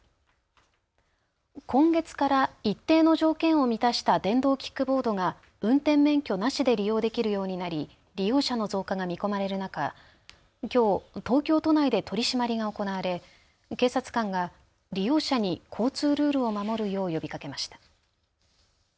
今月から一定の条件を満たした電動キックボードが運転免許なしで利用できるようになり利用者の増加が見込まれる中、きょう東京都内で取締りが行われ警察官が利用者に交通ルールを守るよう呼びかけました。